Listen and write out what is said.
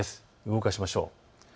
動かしましょう。